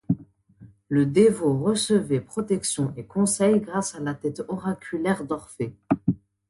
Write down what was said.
Le dévot recevait protection et conseils grâce à la tête oraculaire d'Orphée.